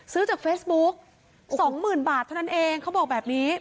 ซื้อจากเฟซบุ๊ก๒๐๐๐บาทเท่านั้นเองเขาบอกแบบนี้